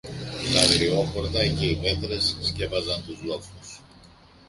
Τ' αγριόχορτα και οι πέτρες σκέπαζαν τους λόφους